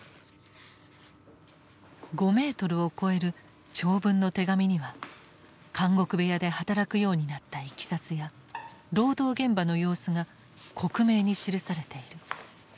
５メートルを超える長文の手紙には監獄部屋で働くようになったいきさつや労働現場の様子が克明に記されている。